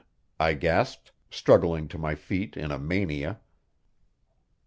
I gasped, struggling to my feet in a mania.